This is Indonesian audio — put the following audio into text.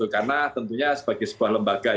karena tentunya sebagai sebuah lembaga yang